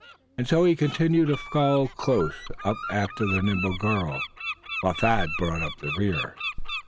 And so he continued to follow close after the nimble girl, while Thad brought up the rear.